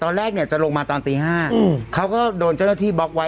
ตอนแรกเนี่ยจะลงมาตอนตี๕เขาก็โดนเจ้าหน้าที่บล็อกไว้